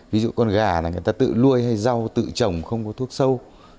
ví dụ con gà là người ta tự luôi hay rau tự trồng không có thuốc sâu